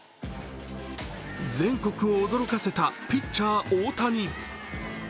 全国を驚かせたピッチャー・大谷。